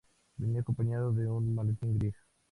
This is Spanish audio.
Venía acompañado de un maletín gris.